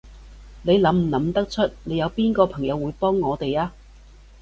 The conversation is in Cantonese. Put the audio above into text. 你諗唔諗得出，你有邊個朋友會幫我哋啊？